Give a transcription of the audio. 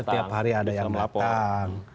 tiap hari ada yang datang